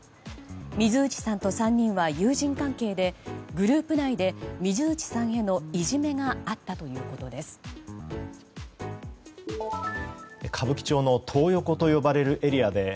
水内さんと３人は友人関係でグループ内で水内さんへのいじめがあったということです。